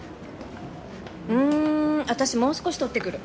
うーん私もう少し取ってくる。